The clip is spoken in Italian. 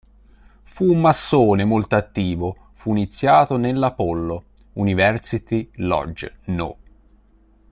Fu un massone molto attivo, fu iniziato nella Apollo University Lodge No.